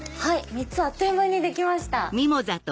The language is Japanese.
３つあっという間にできました。